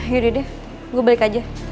yaudah deh gue balik aja